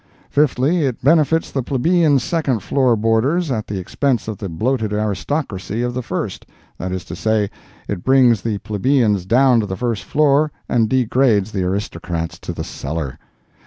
Fifthly—It benefits the plebeian second floor boarders at the expense of the bloated aristocracy of the first—that is to say, it brings the plebeians down to the first floor and degrades the aristocrats to the cellar.